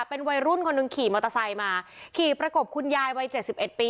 เป็นวัยรุ่นคนหนึ่งขี่มอเตอร์ไซค์มาขี่ประกบคุณยายวัยเจ็ดสิบเอ็ดปี